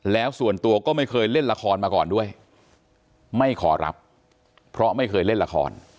แล้วส่วนตัวก็ไม่เคยเล่นละครมาก่อนด้วยไม่ขอรับเพราะไม่เคยเล่นละคร